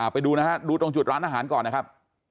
ไปดูนะฮะดูตรงจุดร้านอาหารก่อนนะครับ